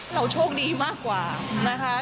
เราโชคดีมากกว่า